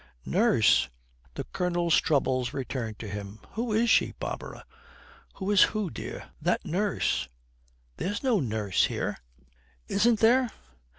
'Nurse?' The Colonel's troubles return to him. 'Who is she, Barbara?' 'Who is who, dear?' 'That nurse.' 'There's no nurse here.' 'Isn't there?'